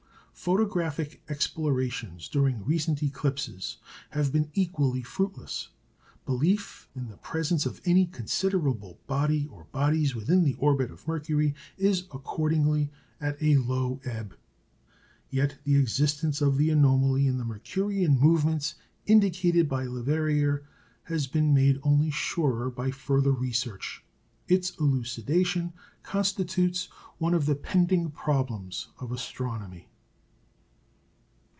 Photographic explorations during recent eclipses have been equally fruitless. Belief in the presence of any considerable body or bodies within the orbit of Mercury is, accordingly, at a low ebb. Yet the existence of the anomaly in the Mercurian movements indicated by Leverrier has been made only surer by further research. Its elucidation constitutes one of the "pending problems" of astronomy.